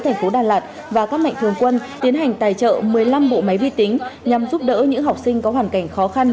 thành phố đà lạt và các mạnh thường quân tiến hành tài trợ một mươi năm bộ máy vi tính nhằm giúp đỡ những học sinh có hoàn cảnh khó khăn